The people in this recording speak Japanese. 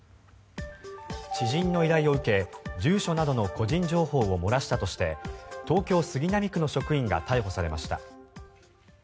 知人の依頼を受け住所などの個人情報を漏らしたとして東京・杉並区の職員が逮捕されました。